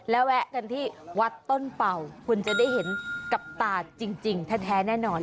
และแวะกันที่วัดต้นเป่าคุณจะได้เห็นกับตาจริงแท้แน่นอน